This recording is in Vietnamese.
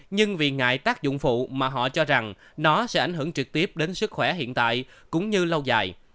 nhưng vì ngại tác dụng phụ mà họ cho rằng nó sẽ ảnh hưởng trực tiếp đến sức khỏe hiện tại cũng như lâu dài